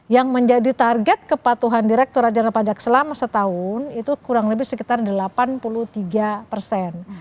yang menjadi target kepatuhan direktur ajaran pajak selama setahun itu kurang lebih sekitar delapan puluh tiga persen